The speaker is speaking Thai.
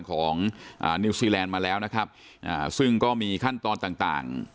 ของอ่านิวซีแลนด์มาแล้วนะครับอ่าซึ่งก็มีขั้นตอนต่างต่าง